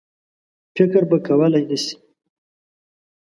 فکر به کولای نه سي.